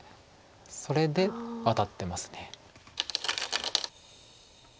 それでワタってます。